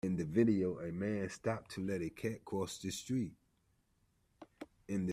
In the video, a man stops to let a cat cross the street.